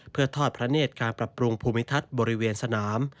เพื่อทอดพระเนธการปรับปรุงภูมิทัศน์บริเวณสนาม